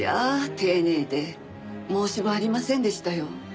丁寧で申し分ありませんでしたよ。